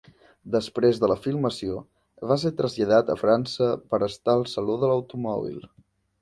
Després de la filmació va ser traslladat a França per estar al Saló de l'Automòbil.